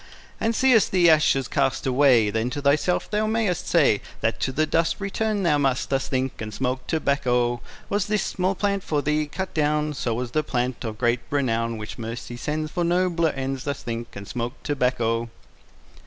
And seest the ashes cast away, Then to thyself thou mayest say, That to the dust Return thou must. Thus think, and smoke tobacco. Part II Was this small plant for thee cut down? So was the plant of great renown, Which Mercy sends For nobler ends. Thus think, and smoke tobacco.